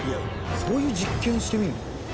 そういう実験してみるの？